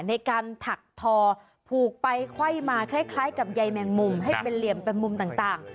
ในการถักทอผูกไปไขว้มาคล้ายกับใยแมงมุมให้เป็นเหลี่ยมเป็นมุมต่าง